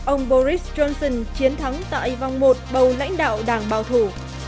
ông boris johnson chiến thắng tại vòng một bầu lãnh đạo đảng bảo thủ